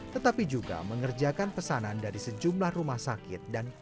tetapi juga mengerjakan pesanan dari sejumlah rumah sakit